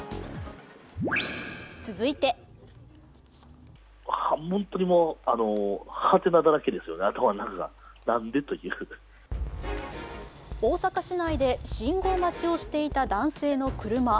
続いて大阪市内で信号待ちをしていた男性の車。